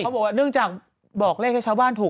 บอกว่าเนื่องจากบอกเลขให้ชาวบ้านถูก